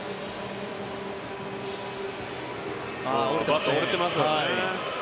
バット折れてますよね。